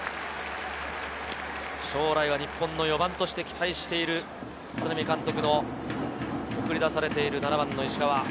将来は日本の４番として期待している立浪監督に送り出されている７番・石川。